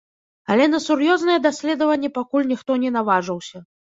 Але на сур'ёзныя даследаванні пакуль ніхто не наважыўся.